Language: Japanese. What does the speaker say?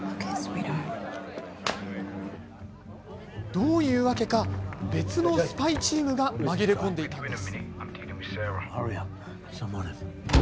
どういうわけか別のスパイチームが紛れ込んでいたのです。